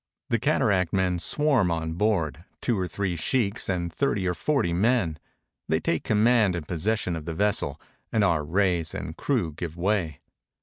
The cataract men swarm on board, two or three sheikhs and thirty or forty men. They take command and possession of the vessel, and our reis and crew give way.